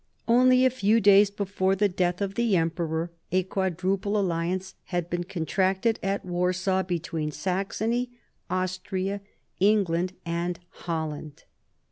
Only a few days before the death of the emperor, a quadruple alliance had been contracted at Warsaw between Saxony, Austria, England, and Holland.